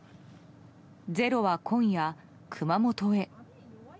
「ｚｅｒｏ」は今夜、熊本へ。